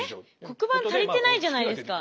黒板足りてないじゃないですか！？